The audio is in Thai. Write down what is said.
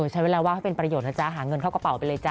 ใช้เวลาว่างให้เป็นประโยชนนะจ๊ะหาเงินเข้ากระเป๋าไปเลยจ้